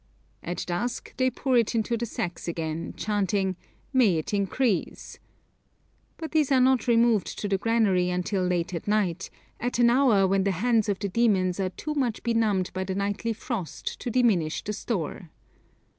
At dusk they pour it into the sacks again, chanting, 'May it increase.' But these are not removed to the granary until late at night, at an hour when the hands of the demons are too much benumbed by the nightly frost to diminish the store.